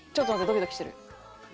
ドキドキしてる。